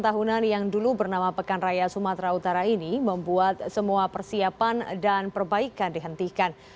tahunan yang dulu bernama pekan raya sumatera utara ini membuat semua persiapan dan perbaikan dihentikan